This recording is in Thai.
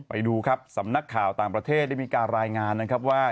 ไปดูครับสำนักข่าวต่างประเทศได้มีการรายงานนะครับว่า